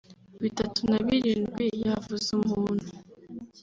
bitatu na birindwi yavuza umuntu